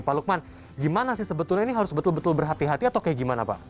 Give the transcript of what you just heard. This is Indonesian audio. pak lukman gimana sih sebetulnya ini harus betul betul berhati hati atau kayak gimana pak